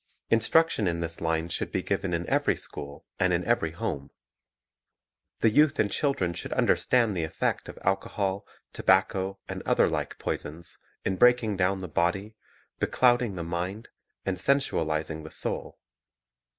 In struction in this line should be given in every school and in every home. The youth and children should understand the effect of alcohol, tobacco, and other like poisons, in breaking down the body, beclouding the mind, and sensualizing the soul.